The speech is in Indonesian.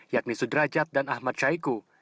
yakni sudrajat dan ahmad syaiqo